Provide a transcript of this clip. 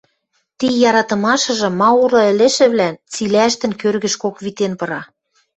Ти яратымашыжы ма улы ӹлӹшӹвлӓн цилӓштӹн кӧргӹшкок витен пыра.